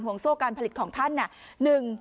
โซ่การผลิตของท่าน